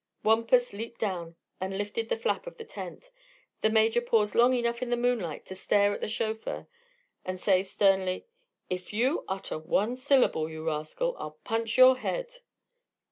Wampus leaped down and lifted the flap of the tent. The Major paused long enough in the moonlight to stare at the chauffeur and say sternly: "If you utter one syllable, you rascal, I'll punch your head!"